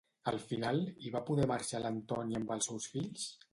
Al final, hi va poder marxar l'Antònia amb els seus fills?